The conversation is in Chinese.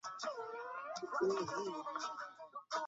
我们到了圆山公园站